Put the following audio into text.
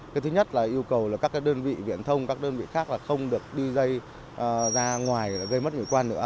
cái thứ nhất là yêu cầu là các cái đơn vị viện thông các đơn vị khác là không được đi dây ra ngoài gây mất nguyên quan nữa